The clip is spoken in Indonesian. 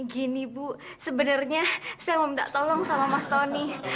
gini bu sebenarnya saya mau minta tolong sama mas tony